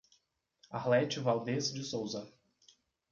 Arlete Valdez de Souza